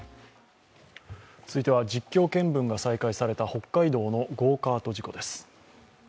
続いては実況見分が再開された北海道のゴーカート事故です。